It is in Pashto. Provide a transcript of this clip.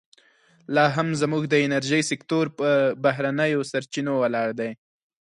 لا هم زموږ د انرژۍ سکتور پر بهرنیو سرچینو ولاړ دی.